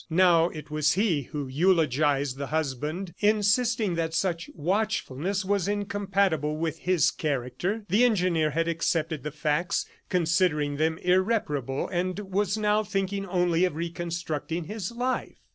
Now it was he who eulogized the husband, insisting that such watchfulness was incompatible with his character. The engineer had accepted the facts, considering them irreparable and was now thinking only of reconstructing his life.